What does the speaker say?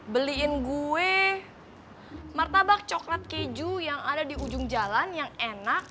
beliin gue martabak coklat keju yang ada di ujung jalan yang enak